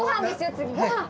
次ごはん。